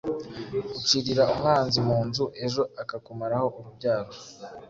Ucirira umwanzi mu nzu ejo akakumaraho urubyaro